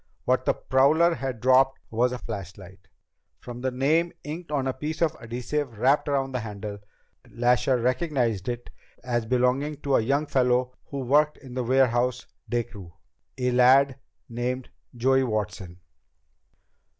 What the prowler had dropped was a flashlight. From the name inked on a piece of adhesive wrapped around the handle, Lasher recognized it as belonging to a young fellow who worked in the warehouse day crew, a lad named Joey Watson."